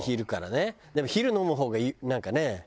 でも昼飲む方がなんかね。